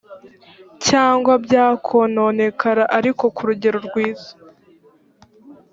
cyangwa bwakononekara ariko ku rugero rwiza